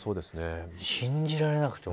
信じられなくて。